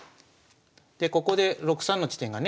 でここで６三の地点がね